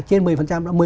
trên một mươi đó